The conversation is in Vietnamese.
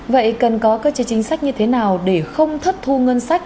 vậy cần có cơ chế chính sách như thế nào để không thất thu ngân sách